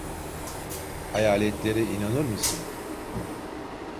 Hayaletlere inanır mısın?